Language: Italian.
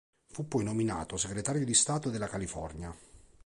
Fu poi nominato Segretario di Stato della California.